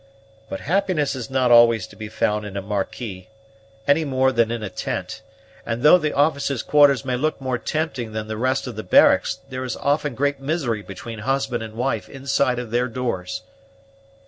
But happiness is not always to be found in a marquee, any more than in a tent; and though the officers' quarters may look more tempting than the rest of the barracks, there is often great misery between husband and wife inside of their doors."